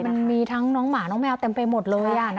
มันมีทั้งน้องหมาน้องแมวเต็มไปหมดเลย